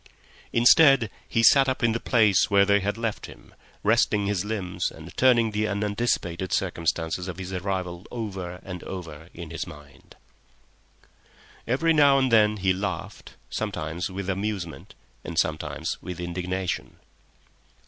Instead, he sat up in the place where they had left him, resting his limbs and turning the unanticipated circumstances of his arrival over and over in his mind. Every now and then he laughed, sometimes with amusement and sometimes with indignation.